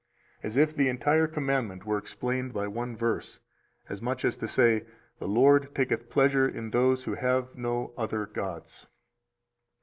As if the entire commandment were explained by one verse, as much as to say: The Lord taketh pleasure in those who have no other gods.